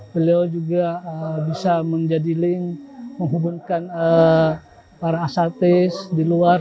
beliau juga bisa menjadi link menghubungkan para arsatis di luar